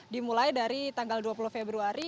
dimulai dari tanggal dua puluh februari